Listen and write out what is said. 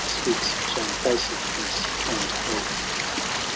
Speaks shame facedness and hope.